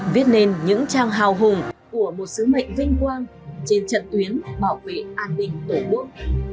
viết nên những trang hào hùng của một sứ mệnh vinh quang trên trận tuyến bảo vệ an ninh tổ quốc